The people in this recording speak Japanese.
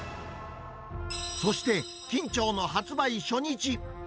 そして、緊張の発売初日。